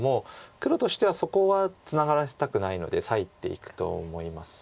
黒としてはそこはツナがらせたくないので裂いていくと思いますが。